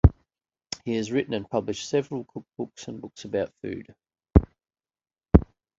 He has written and published several cookbooks and books about food.